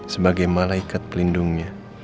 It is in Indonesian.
sebagai malaikat pelindungnya